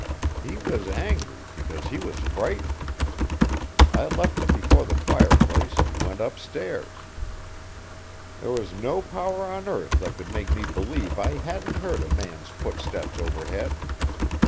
He was angry because he was frightened. I left him before the fireplace, and went upstairs. There was no power on earth that could make me believe I hadn't heard a man's footsteps overhead.